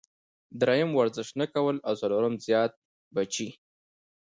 دريم ورزش نۀ کول او څلورم زيات بچي -